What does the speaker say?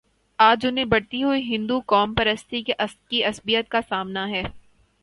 آج انہیں بڑھتی ہوئی ہندوقوم پرستی کی عصبیت کا سامنا ہے۔